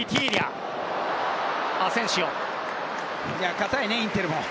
堅いね、インテルも。